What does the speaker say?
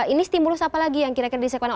ini stimulus apa lagi yang kira kira disekuatkan